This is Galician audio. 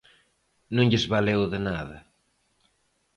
Non lles valeu de nada.